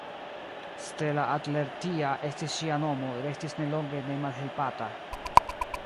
Stella Adler tia estis ŝia nomo restis ne longe ne malhelpata.